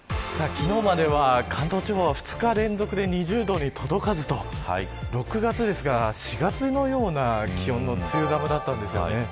昨日までは、関東地方は２日連続で２０度に届かずと６月ですが４月のような気温の梅雨寒だったんですよね。